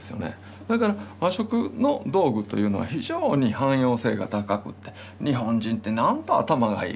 だから和食の道具というのは非常に汎用性が高くて日本人ってなんと頭がいい。